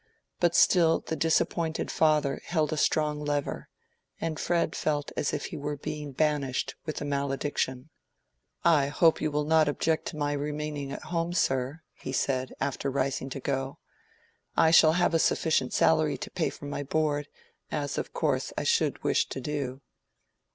But still the disappointed father held a strong lever; and Fred felt as if he were being banished with a malediction. "I hope you will not object to my remaining at home, sir?" he said, after rising to go; "I shall have a sufficient salary to pay for my board, as of course I should wish to do."